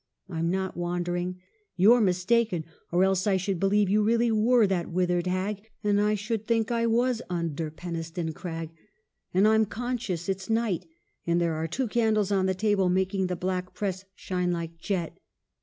I'm not wandering ; you're mistaken, or else I should believe you really were that withered hag, and I should think I was under Peniston Crag ; and I'm conscious it's night, and there are two candles on the table making the black press shine like jet.'